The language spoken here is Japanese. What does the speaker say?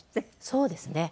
そうですね。